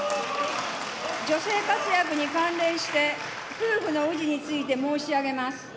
女性活躍に関連して、夫婦の氏について申し上げます。